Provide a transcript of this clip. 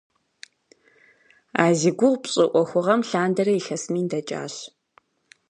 А зи гугъу пщӏы ӏуэхугъуэм лъандэрэ илъэс мин дэкӏащ.